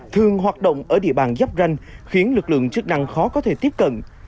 thường hoạt động ở địa bàn giáp ranh khiến lực lượng chức năng khó có thể tiếp cận